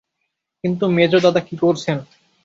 কিন্তু মেজদাদা কী করছেন?